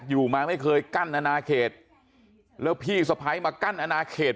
อยู่มาไม่เคยกั้นอนาเขตแล้วพี่สะพ้ายมากั้นอนาเขต